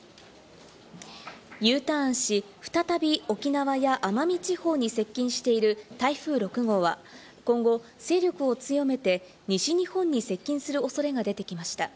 Ｕターンし、再び沖縄や奄美地方に接近している台風６号は今後、勢力を強めて、西日本に接近する恐れが出てきました。